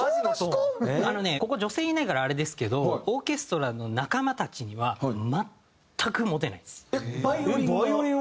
あのねここ女性いないからあれですけどオーケストラの仲間たちにはえっバイオリン。